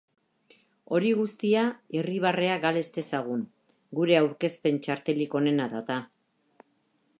Hori guztia irribarrea gal ez dezagun, gure aurkezpen-txartelik onena da eta.